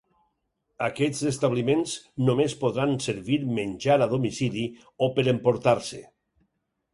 Aquests establiments només podran servir menjar a domicili o per emportar-se.